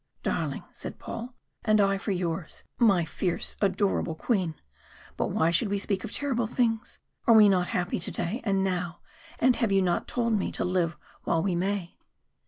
"Darling," said Paul, "and I for yours, my fierce, adorable Queen. But why should we speak of terrible things? Are we not happy today, and now, and have you not told me to live while we may?"